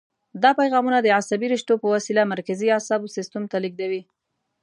دا پیغامونه د عصبي رشتو په وسیله مرکزي اعصابو سیستم ته لېږدوي.